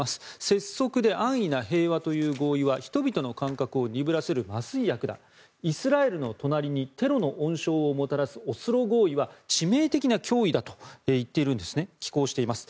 拙速で安易な平和という合意は人々の感覚を鈍らせる麻酔薬だイスラエルの隣にテロの温床をもたらすオスロ合意は致命的な脅威だと言っているんですね寄稿しています。